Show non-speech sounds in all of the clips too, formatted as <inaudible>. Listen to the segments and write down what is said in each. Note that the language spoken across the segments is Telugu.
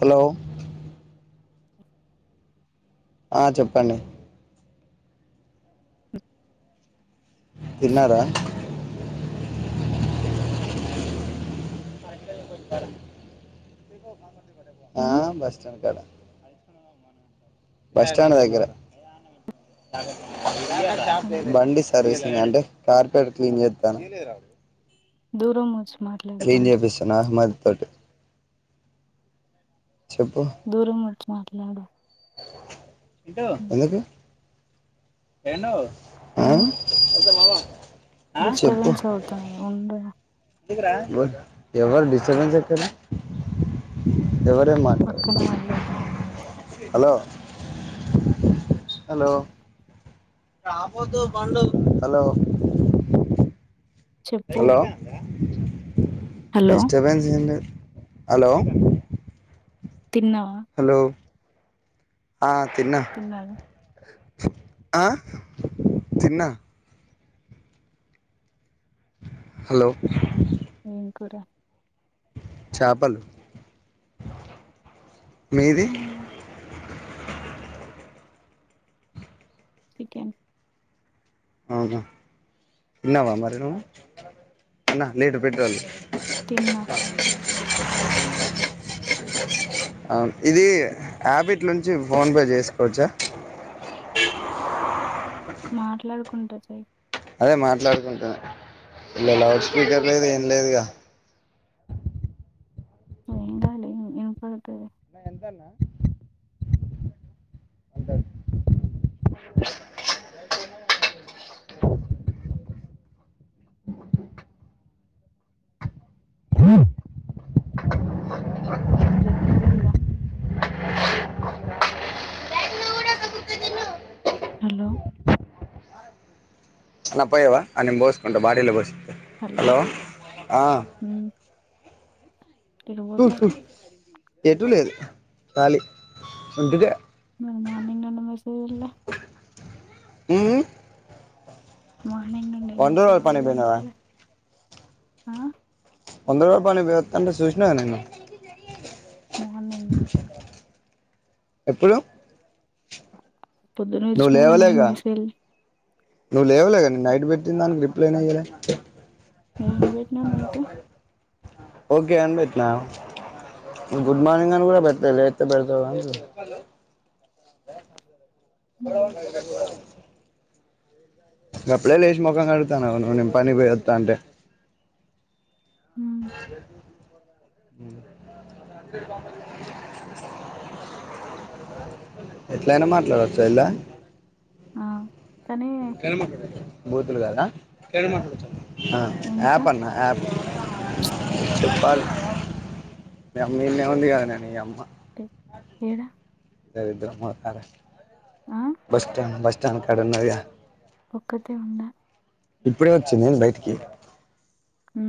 హలో ఆ చెప్పండి కనాడా ఇక్కడ వేరే పదాన్ని ఇచ్చారు. వాయిస్ టైపింగ్ లో వేరే పదం ఉంది. తిన్నారా. అని <inaudible> ఆ ఉమ్ బస్ స్టాండ్ కడ బస్టాం దగ్గర ఎందుకు బండి సర్వీసుంగ్ అంట కార్పెట్ క్లీన్ చేస్తాను దూరముజ ఫ పస్ అహ్మద్ తోటే చెప్పు దూరం ము మాట్లాడు ఏంట ఎందుకు ఏను ఆ చెప్పు డిస్టర్బన్స అత ఉ ఎవరు డిసర్బన్స్ ఎక్కర ఎవరే మంట పక్కన వాళ్ళయి హలో హలో రాబోదు ఇగో పండు హలో చెప్పు హలో <inaudible> హలో డిస్టర్బెన్స్ ఏమిల్డు హలో తిన్న హలో ఆ తిన్న తిన్నాను ఆ చిన్నా హలో ఏం కూర చేపలు మీది ఉమ్ చికెన్ అవునా ఎన్నావా మరి నున్నా లేలీట పెట్రోల్ తిన్నా ఇది యాపిట్లో నుంచి ఫోన్పే చేసుకోవచ్చా మాట్లాడుకు ఉండజాయి అదే మాట్లాడుకుంటును ఇలా లౌడ్ స్పీకర్ లేదు ఏం లేదుగా వయ కాాల ఇప్పు అ ఎంత అన్నా అంటే ఏేం చెప్తాల ఇంకా హలో అన్న పోయవా అ నేను పోస్సుకుంటా బడీలో పోసు హలో ఆ తరుపోతారు చెట్టు లేదు ఖాలీ ఉందుకే మరి మార్నింగ్ నుండి మెసేజ్ చేయలే ఈ మ వంద ర రలు పనిపోనావా ఆ పంద్ర వ పంట సూష్న్నా మోహన ఎప్పుడు పొద్దున నువ్వు వెలిసినవు కానీ ఏం లేవలేగా మెసేజ్ నువ్వు లేవలేగాని నైట్ పెట్టిన దానికి రిప్లైన్ అయ్యలే న వేట్న నత ఓకే అని పెట్నా గుడ్ మార్నింగ్ అని కూడా పెట్టతతే పెడతా కప్పుడే లేచి ముఖంగా కడుతానువు ను నేను పని పోయస్తా అంటే ఉమ్ ఎట్లయినా మాట్లాడవచ్చు ఇలా ఆ కానీ బూతులు కాదా క మాట్లాడుతారు ఆ ఇంకా ఆప్ అన్నా ఆప్ చెప్పాలి మీ అమ్మ ఇన్న ఉంది కద నను అమ్మ ఏడా దరద్ర మార ఆ బస్ స్ట్యాండ్ బస్ స్టాండ్ కడన్న ఒక్కతే ఉన్న ఇప్పుడే వచ్చిందిను బయటికి హ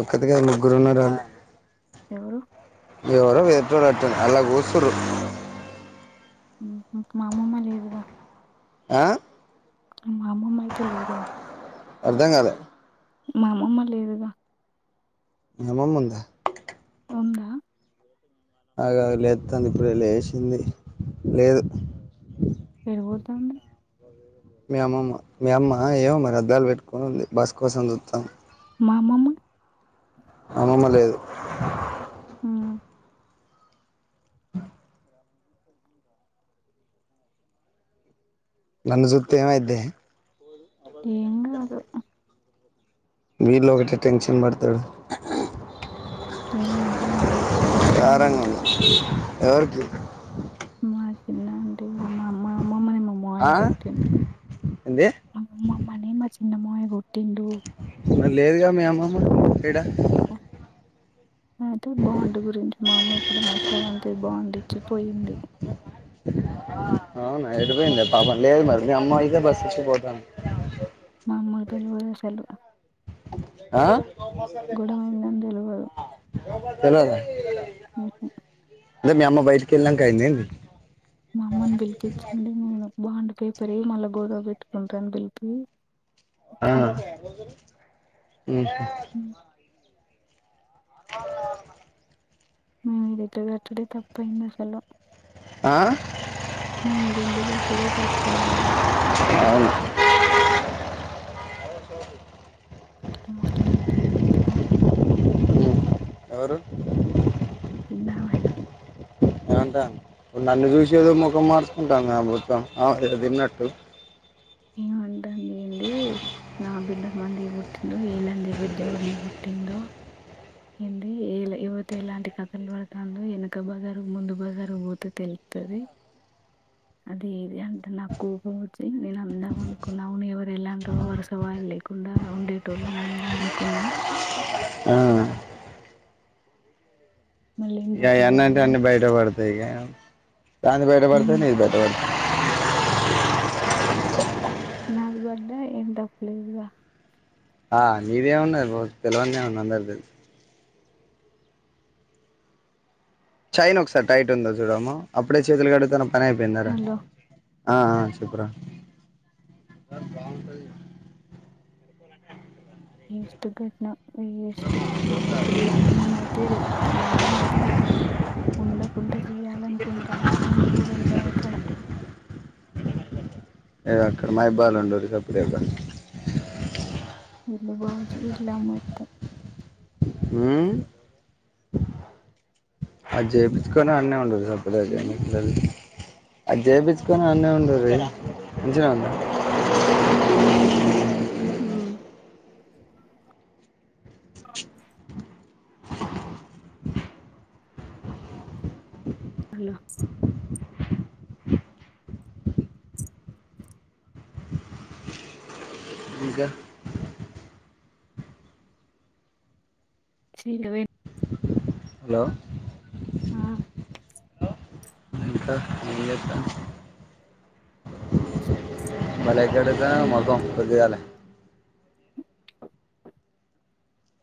ఒకక్కతిగా ముగ్గురు ఉన్నారు ఎవరు ఎవరో ఎదుోడట్టను అలా కూసురు ఇంక మా అమ్మమ్మ లేదుగా ఆ మా అమ్మమ్మయితే లేదుగా అర్ధం కాలే మా అమ్మమ్మ లేదుగా మీ అమ్మమ్మ ముందా ఉంద అగా లేాను ఇప్పుడు లేసింది లేదు పెరిపోతాంది మీ అమ్మమ్మ మీ అమ్మ ఏమో మరి అద్దాలు పెట్టుకొని ఉంది బస్ కోసం చూస్తాం మా అమ్మమ్మ అమమ్మ లేదు హ ఆ నన్న చూత ఏమయిద్దే ఏంగా గదు వీళ్ళ ఒకటే టెన్షన్ పడతాడు ఏమంటా అంత తెలి గొడవైంది ఇంట్లో ఎరుకి మా చిన్న అంట అమ్ అమ్మ అమ్మమ్మ నిమ్మ అమ్మయ ఆ ఏంది గతుందిమ్మ్మమ్మ నిమ్ మా చి ఇ మ ఎ గొ రడు మరి లేదుగా మీ అమ్మమ్మ ఇక్కడ ఓ అయితే బాగుంటంది గురించి మామూ ఇప్పుడు అవసరం అంత బాగుందిడించి పోయింది అవునా అడిపోయింది పాపం లేదు మరి మీ అమ్మయితే బస్ ఇచ్చిపోతాను మా అమ్మ కి రపలు కూడా సల్ మసాల గొడవైందని తెలాదా ఆఓహా అదే మీ అమ్మ బయటికి వెళ్ళాం అయిందండి మా అమ్మని బిలికి ఇచ్చిండడి నేను బాగుండు పేపర్ మళ్ళా గోదా పెట్టుకుంటారను పిలిపి ఇ ఉ అ మేము ఇది తగాటుడే తప్పంద సలం ఆ మీేను ఇల్లు కట్టుడే తప్పయింది అవును ఇ మాట్లాడుతాడి ఎందు అవురు తిన్నావ ఏంటో ఇప్పుడు నన్ను చూసేదో ముఖం మార్చుకుంటాంది గా మొత్తం ఏదొ తిన్నట్టు ఏమంటాం లేండీ నా బిడ్డ మందిగి పుట్టిిందో ఏళ్ళంజె బిడ్డ ఎవనిగి పుట్టిిందో ఏంది ఏవతి ఎలాంటి కథలు పడుతాన్దో వెనక బజారు ముందు బజారు పోతే తెలుతది అది ఇది అంటే నా కోపం వచ్చి నేను అందాం అనుకున్న అవును ఎవరి ఎలాంటి వర్సవ ఇల్ కుండడా ఉండేటోళ్ళను అందాం అనుకున్నా ఆ మళ్ళీ ఇగ ఎందుకులే ఎన్నంటె అని అన్ని బయట పడతయి ఇగా ఆమె బయట పడుతే హ్మ్. నేను బయట బడుతా నాది బడ్డా ఏం తప్పలేదుగ ఆ నీదేం ఉన్నది పో తెలవంది ఏం ఉంది అందరికి తెలుసు చైన్ ఒకసారి టైట్ ఉందో చూడమ్మా అప్పుడే చేతులు కడుగుతానవ్ పనై పోయిందారా వాళ్ళు ఆ చెప్పురా ఏడుస్తూ పెట్టిన వేస్ట్ ఇప్పుడుమ్ నేనైతే చెప్తున్న మా అమ్మనైతే న ఉండకుంట చెయ్యాలనుకుంటాన నేను కూడ ఉండము ఇక్కడ ఏ అక్కడ మహబూబబాద్ లో ఉండుండ్రి సప్పుడుదేక ఇల్లు బాగు చేయించలే మా అత్త హ్మ్మ అది చేపిచ్చుకొని ఆడనే ఉండుండ్రి సప్పుడుదేక హ్మ్. ఎందుకు లొల్లి అది చేపిచ్చుకొని ఆడనే ఉండుండ్రి మంచిగ హ్మ్. హలో ఇంక శ్రీ రవీణ హలో ఆ ఇంక ఏంచేస్తానవ్ బలై ఏడుస్తానవ్ హ్మ్. మొఖం పొద్దుగాల్నే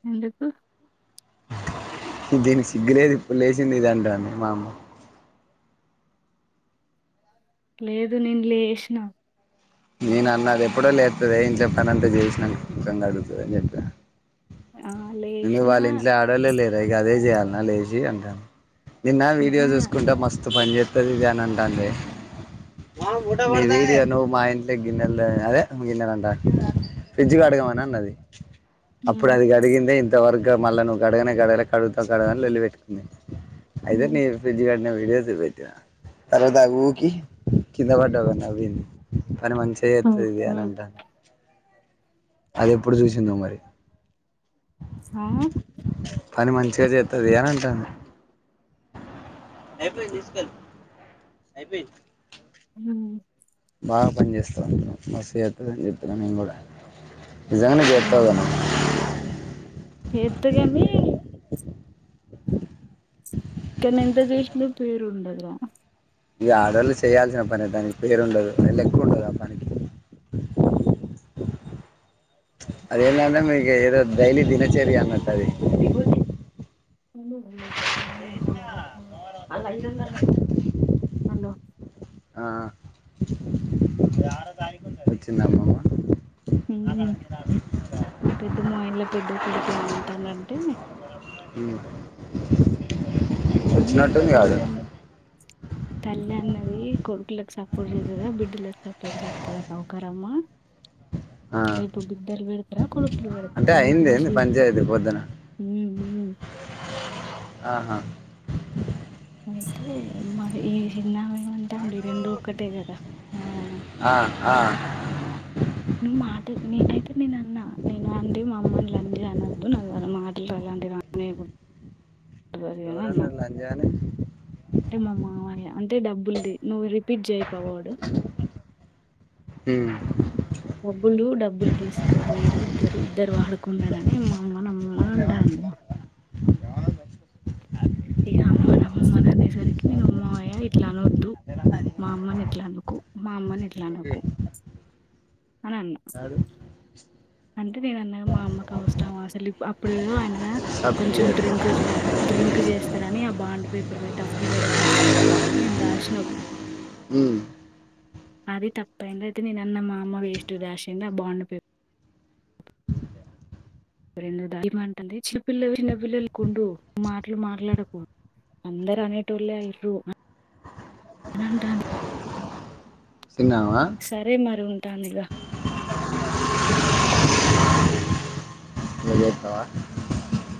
ఎందుకు దీనికి సిగ్గులేదు ఇప్పుడు లేచంది ఇది అంటాంది మా అమ్మ లేదు నేను లేశిన నేను అన్న అదె ఎప్పుడో లేస్తదే ఇంట్ల పని అంతా చేసినంక మొత్తం కడుగుతది అని చెప్పా ఆ! ఎందుకు వాళ్ళ లేశినా ఇంట్లో ఆడోల్లే లేరు ఇగ అదే చేయాల్నా లేచి అంటాం నిన్న వీడియో చూసుకుంట మస్తు పని చేస్తది ఇది అని అంటాంది ఇది నువ్వు మా ఇంట్లో గిన్నెలు అదే గిన్నెలు అంటా ఫ్రిడ్జ్ కడగమని అన్నది అప్పుడు ఉమ్, అది గడిగిందే ఇ వర్గా మళ్ళా నువ్వు గడగనే గడగ కడుగుతావ కడగవ అని లోళ్లి పెట్టుకుంది అయితే ఉమ్, నేను ఫ్రిజ్ కాడి <unintelligible> కింద బడ్డవు అని నవ్వింది కానీ మంచిగా ఉమ్, చేస్తుంది ఇది అని ఉమ్, అంటారు అది ఎప్పుడు చూసిందో మరి ఆ పని మంచిగా చేస్తది అని అంటా ఉ బాగా పని చేస్తాంట మస్తు చేస్తుంది అని చెప్తున్నా మేము కూడా నిజంగానే చేతవుకదా చెత్త గాని కానీ ఎంత చేసిన పేరుండదరా ఇగ ఆడాళ్ళు చేయాల్సిన పని దానికి పేరుండదు మళ లెక్క ఉండదు ఆ పనికి ఆది ఏంది అంటే ఏదో డైలీ దినచరి అన్నట్టు అది ఎగువకే అలా ఐదు వందలు. హలో ఆ వచ్చింద అమ్మమ్మ మా పెద్ద మావయ్య వల్ల పెద్ద కొడుకి ఏమంటానంటే ఉమ్ ఉమ్, వచ్చినట్టు కదు తల్లి అన్న తల్లి అన్నది కొడుకులకి సపోర్ట్ చేతదా బిడ్లకి సపోర్ట్ చేస్తాద అన్నావ్ డ మ్మ ఆ లేేటు బిడ్డలకు పెడతారా కొడుకులకు పెడతారా అంటే అయింది నోటిన ఏంది పంచాయతీ పొద్దున ఉమ్ ఉమ్ ఆహా అయితే మరి ఈ చిన్నమ ఏం అంటంది రెండు ఒక్కటే కదా ఆ ఆ ఆ నువ్వు మాట నీ అయితే నేను అన్నా నేను అంటే మా అమ్మను లంజ అనద్దు ననన్ను మాటలు అలాంటివి రానే ఎవరంట అంజను అే డబ్బుల్ది నువ్వు రిపీట్ చేయక అవాడు హ బ్బులు డబ్బులు తీసుకోవయరు ఇద్దరు ఇద్దరు ఇద్దరు వా ఆడుకున్నారని మామనమను ఇక అమ్మన అమ్మమ్మని అనేసరికి నేను అమ్మా ఇట్లా అన వద్దు మా అమ్మని ఇట్లా అనకు మా అమ్మని ఇట్లా అనకు అని అన్నా అంటే నేన అన్న మా అమ్మకు అవసరం అసలు అప్పుడు ఏదో ఆయన సబ్ కొంచెం క్లియర్. డ్రింక్ డ్రింక్ చేస్తాడని ఆ బాండ్ పేపర్ మీద డబ్బు లేడ ఖర్చు చేస్తాడు అని మేము రా్రాసినాం ఉమ్. అది తప్ప ఏంటయితే నేనన్న మా అమ్మ వేస్ట్ డ్యాష్ కింద బాండ్ ఎంటంది చిన్నపిల్లలు చిన్నపిిల్లలు కొండు మాటలు మాట్లాడకు అందరు అనేటోళ్ళ ఇర్రు అ అంట తిన్నావా సరే మరి ఉం ానీలా <unintelligible> లగేత్తవా